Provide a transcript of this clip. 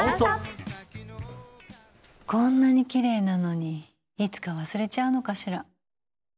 こんなにきれいなのにいつか、忘れちゃうのかしら。